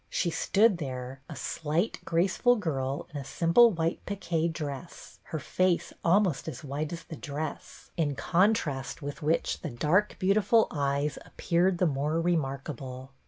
She stood there, a slight graceful girl in a simple white pique dress, her face almost as white as the dress, in con BETTY BAIRD 94 trast with which the dark beautiful eyes appeared the more remarkable.